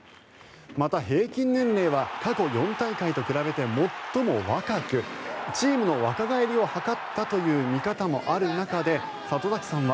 また、平均年齢は過去４大会と比べて最も若くチームの若返りを図ったという見方もある中で里崎さんは。